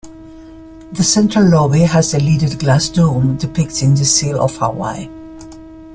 The central lobby has a leaded glass dome depicting the seal of Hawaii.